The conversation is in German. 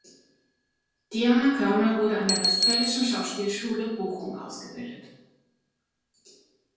Diana Körner wurde an der Westfälischen Schauspielschule Bochum ausgebildet.